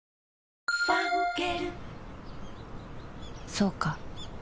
そうか